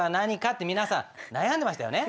って皆さん悩んでましたよね。